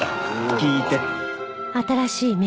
聞いて！